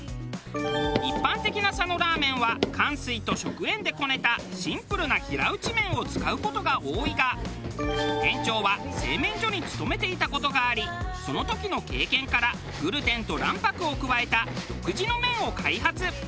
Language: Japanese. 一般的な佐野ラーメンはかんすいと食塩でこねたシンプルな平打ち麺を使う事が多いが店長は製麺所に勤めていた事がありその時の経験からグルテンと卵白を加えた独自の麺を開発。